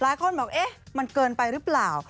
หลายคนบอกเอ๊ะมันเกินไปหรือเปล่า